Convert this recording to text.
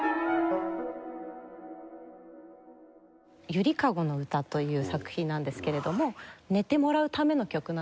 『ゆりかごのうた』という作品なんですけれども寝てもらうための曲なので。